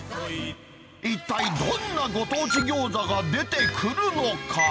一体どんなご当地餃子が出てくるのか。